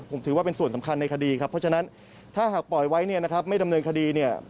ผมถือว่าเป็นส่วนสำคัญในคดีครับเพราะฉะนั้นถ้าหากปล่อยไว้เนี่ยนะครับไม่ดำเนินคดีเนี่ย